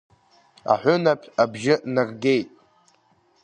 Аҳәынаԥ абжьы наргеит…